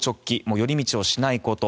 寄り道しないこと。